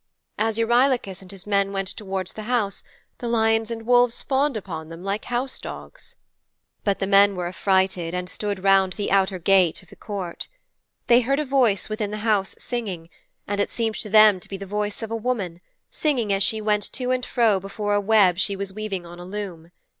As Eurylochus and his men went towards the house the lions and wolves fawned upon them like house dogs.' 'But the men were affrighted and stood round the outer gate of the court. They heard a voice within the house singing, and it seemed to them to be the voice of a woman, singing as she went to and fro before a web she was weaving on a loom.